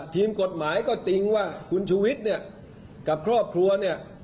ทีมกฎหมายก็จริงว่าคุณชุวิตเนี่ยกับครอบครัวเนี่ย